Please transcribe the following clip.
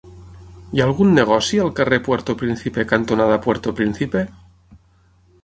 Hi ha algun negoci al carrer Puerto Príncipe cantonada Puerto Príncipe?